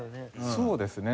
そうですね。